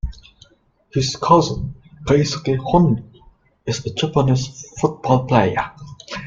His cousin Keisuke Honda is a Japanese football player.